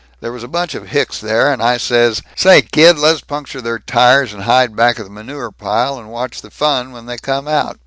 There was a bunch of hicks there, and I says, 'Say, kid, lez puncture their tires, and hide back of the manure pile, and watch the fun when they come out.'